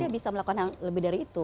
dia bisa melakukan yang lebih dari itu